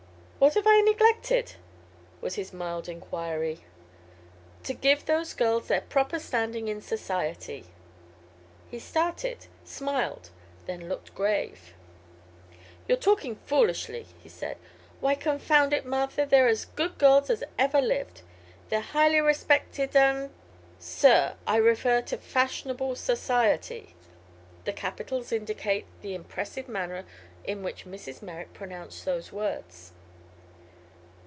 What have I neglected?" was his mild enquiry. "To give those girls their proper standing in society." He started; smiled; then looked grave. "You're talking foolishly," he said. "Why, confound it, Martha, they're as good girls as ever lived! They're highly respected, and " "Sir, I refer to Fashionable Society." The capitals indicate the impressive manner in which Mrs. Merrick pronounced those words.